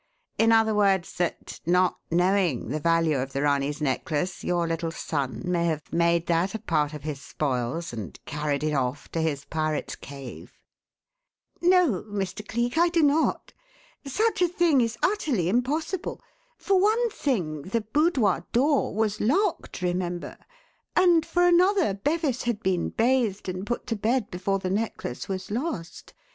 In other words, that, not knowing the value of the Ranee's necklace, your little son may have made that a part of his spoils and carried it off to his pirates' cave?" "No, Mr. Cleek, I do not. Such a thing is utterly impossible. For one thing, the boudoir door was locked, remember; and, for another, Bevis had been bathed and put to bed before the necklace was lost.